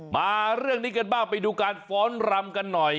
มาเรื่องนี้กันบ้างไปดูการฟ้อนรำกันหน่อย